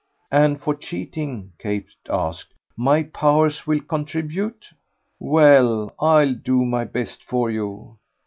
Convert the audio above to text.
"And for cheating," Kate asked, "my powers will contribute? Well, I'll do my best for you."